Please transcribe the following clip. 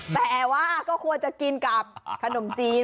แต่ว่าก็ควรจะกินกับขนมจีน